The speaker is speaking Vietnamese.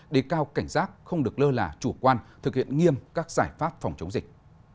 để cao cảnh giác không được lơ là chủ quan thực hiện nghiêm các giải pháp phòng chống dịch